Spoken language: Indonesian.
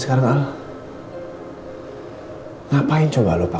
sekarang andien jadi berharap kan